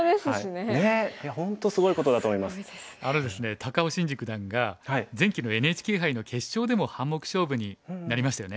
高尾紳路九段が前期のＮＨＫ杯の決勝でも半目勝負になりましたよね。